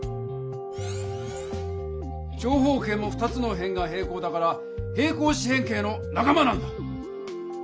長方形も２つの辺が平行だから平行四辺形のなか間なんだ！